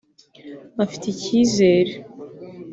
afite icyizere